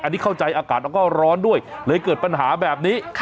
อันนี้เข้าใจอากาศแล้วก็ร้อนด้วยเลยเกิดปัญหาแบบนี้